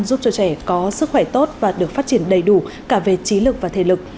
giúp cho trẻ có sức khỏe tốt và được phát triển đầy đủ cả về trí lực và thể lực